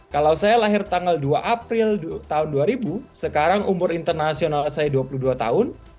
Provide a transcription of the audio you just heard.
kalau saya lahir tanggal dua april tahun dua ribu sekarang umur internasional saya dua puluh dua tahun